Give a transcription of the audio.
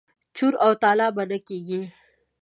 چور او تالان به نه کیږي.